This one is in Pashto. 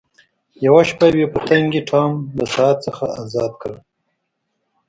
یوه شپه یوې پتنګې ټام له ساعت څخه ازاد کړ.